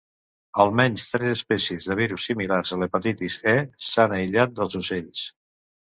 Almenys tres espècies de virus similars a l'hepatitis E s'han aïllat dels ocells.